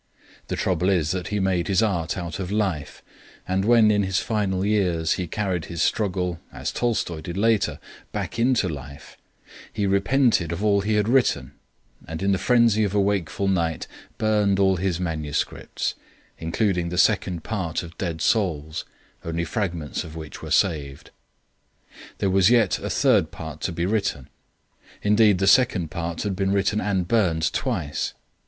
The trouble is that he made his art out of life, and when in his final years he carried his struggle, as Tolstoi did later, back into life, he repented of all he had written, and in the frenzy of a wakeful night burned all his manuscripts, including the second part of Dead Souls, only fragments of which were saved. There was yet a third part to be written. Indeed, the second part had been written and burned twice.